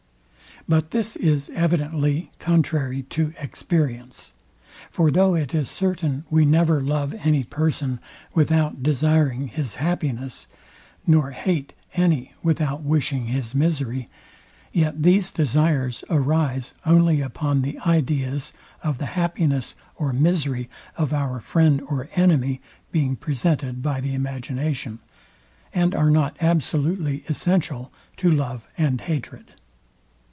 But this is evidently contrary to experience. For though it is certain we never love any person without desiring his happiness, nor hate any without wishing his misery, yet these desires arise only upon the ideas of the happiness or misery of our friend or enemy being presented by the imagination, and are not absolutely essential to love and hatred.